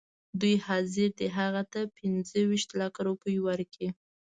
دوی حاضر دي هغه ته پنځه ویشت لکه روپۍ ورکړي.